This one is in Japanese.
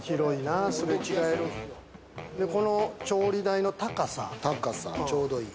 この調理台の高さ、ちょうどいい。